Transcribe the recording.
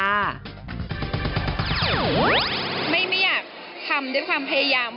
ไม่อยากทำด้วยความพยายาม